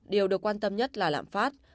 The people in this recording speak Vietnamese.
điều được quan tâm nhất là lãm phát